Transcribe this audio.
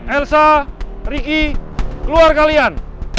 elsa ricky keluar kalian